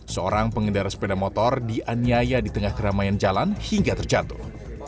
seorang pengendara sepeda motor dianiaya di tengah keramaian jalan hingga terjatuh